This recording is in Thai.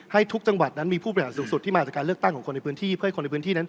ให้ทุกจังหวัดมีผู้ประหลาดสูงสุดที่มาจากการเลือกตั้งของคนในพื้นที่